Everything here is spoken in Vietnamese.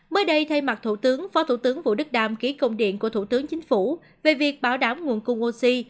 mới đây thay mặt thủ tướng phó thủ tướng vũ đức đam ký công điện của thủ tướng chính phủ về việc bảo đảm nguồn cung oxy